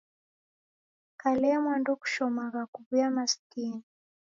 Kalemwa ndekushomagha kuw'uya masikini.